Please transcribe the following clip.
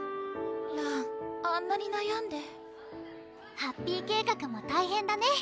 らんあんなになやんでハッピー計画も大変だね